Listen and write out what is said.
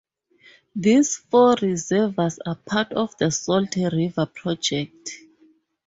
These four reservoirs are part of the Salt River Project.